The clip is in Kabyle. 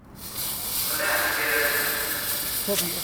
Ssexlaɛent tira-nwent.